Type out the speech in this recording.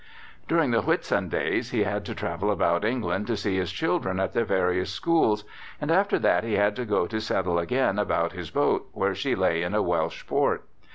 During the Whitsun days he had to travel about England to see his children at their various schools, and after that he had to go to settle again about his boat, where she lay in a Welsh port.